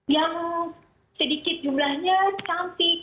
yang sedikit jumlahnya cantik